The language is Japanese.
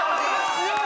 強い！